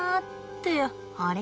あれ？